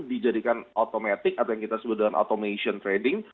dijadikan automatic atau yang kita sebut dengan automation trading